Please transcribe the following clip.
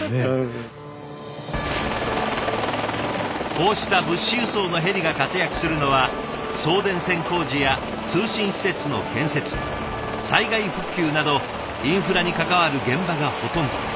こうした物資輸送のヘリが活躍するのは送電線工事や通信施設の建設災害復旧などインフラに関わる現場がほとんど。